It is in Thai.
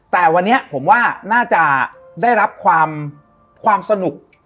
แต่วันนี้ผมว่าน่าจะได้รับความสนุก